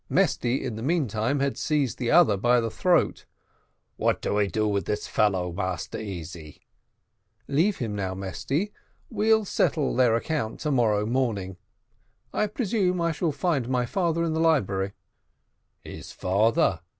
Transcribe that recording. Mesty in the meantime, had seized the other by the throat. "What I do with this fellow, Massa Easy?" "Leave him now, Mesty; we'll settle their account to morrow morning. I presume I shall find my father in the library." "His father!"